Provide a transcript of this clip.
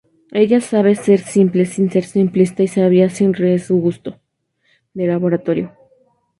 Ella sabe ser simple sin ser simplista y sabia sin regusto de laboratorio.